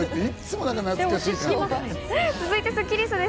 続いてスッキりすです。